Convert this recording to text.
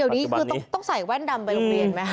เดี๋ยวนี้คือต้องใส่แว่นดำไปโรงเรียนไหมคะ